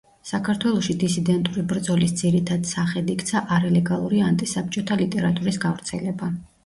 საქართველოში დისიდენტური ბრძოლის ძირითად სახედ იქცა არალეგალური ანტისაბჭოთა ლიტერატურის გავრცელება.